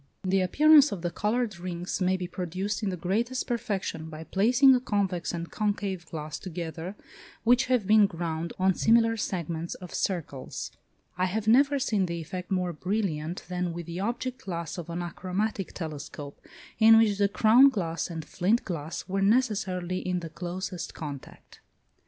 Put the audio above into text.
The appearance of the coloured rings may be produced in the greatest perfection by placing a convex and concave glass together which have been ground on similar segments of circles. I have never seen the effect more brilliant than with the object glass of an achromatic telescope, in which the crown glass and flint glass were necessarily in the closest contact.